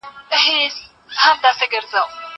زه اوس کتابتون ته راځم!